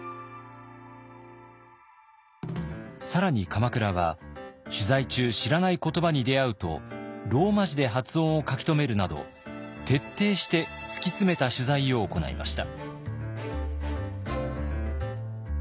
更に鎌倉は取材中知らない言葉に出会うとローマ字で発音を書き留めるなど徹底して突き詰めた取材を行いました。